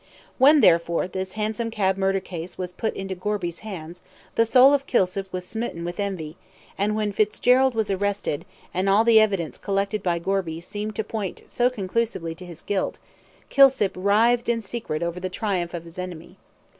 When, therefore, this hansom cab murder case was put into Gorby's hands, the soul of Kilsip was smitten with envy, and when Fitzgerald was arrested, and all the evidence collected by Gorby seemed to point so conclusively to his guilt, Kilsip writhed in secret over the triumph of his enemy.